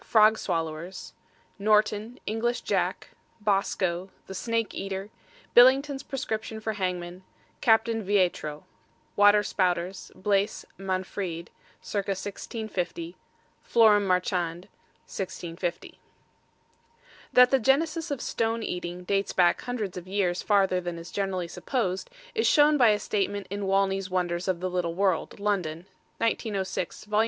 FROG SWALLOWERS: NORTON; ENGLISH JACK; BOSCO, THE SNAKE EATER; BILLINGTON'S PRESCRIPTION FOR HANGMEN; CAPTAIN VEITRO. WATER SPOUTERS: BLAISE MANFREDE, ca. 1650; FLORAM MARCHAND, 1650. That the genesis of stone eating dates back hundreds of years farther than is generally supposed, is shown by a statement in Wanley's Wonders of the Little World, London, 1906, Vol.